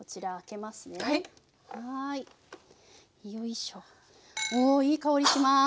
おいい香りします。